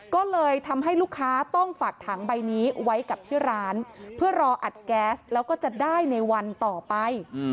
ก็เลยทำให้ลูกค้าต้องฝากถังใบนี้ไว้กับที่ร้านเพื่อรออัดแก๊สแล้วก็จะได้ในวันต่อไป